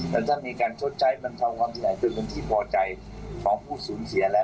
แต่ถ้ามีการทดใช้มันเท่าความที่ไหลเป็นเป็นที่ปลอดใจของผู้สูงเสียแล้ว